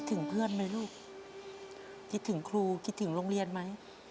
ถึงเพื่อนไหมลูกคิดถึงครูคิดถึงโรงเรียนไหม